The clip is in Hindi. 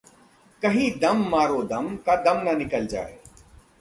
कहीं 'दम मारो दम' का दम न निकल जाए!